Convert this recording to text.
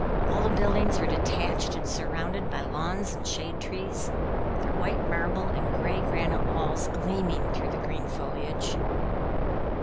But all the buildings were detached and surrounded by lawns and shade trees, their white marble and gray granite walls gleaming through the green foliage.